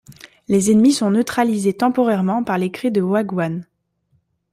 Les ennemis sont neutralisés temporairement par les cris de Wagyan.